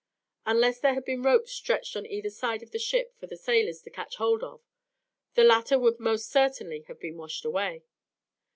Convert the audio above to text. Unless there had been ropes stretched on each side of the ship for the sailors to catch hold of, the latter would most certainly have been washed away.